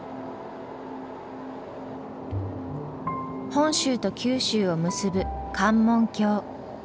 本州と九州を結ぶ関門橋。